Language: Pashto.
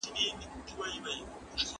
ښه عادت جوړول وخت غواړي.